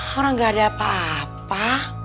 orang gak ada apa apa